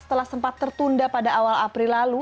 setelah sempat tertunda pada awal april lalu